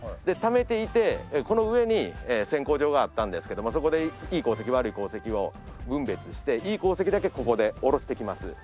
ためていてこの上に選鉱場があったんですけどもそこでいい鉱石悪い鉱石を分別していい鉱石だけここで下ろしてきます。